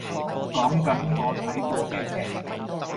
講緊我睇過嘅劇